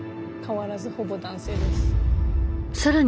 変わらずほぼ男性です。